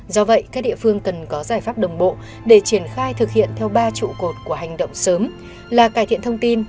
do vậy các địa phương cần có giải pháp đồng bộ để triển khai thực hiện theo ba trụ cột của hành động sớm là cải thiện thông tin